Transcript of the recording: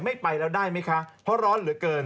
ไม่ไปแล้วได้ไหมคะ